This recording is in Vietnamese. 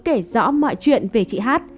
kể rõ mọi chuyện về chị hát